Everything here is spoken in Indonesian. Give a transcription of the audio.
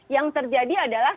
yang terjadi adalah